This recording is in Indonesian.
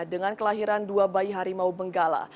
dengan kelahiran dua bayi harimau benggala